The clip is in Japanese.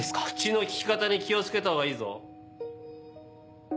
口の利き方に気を付けたほうがいいぞ。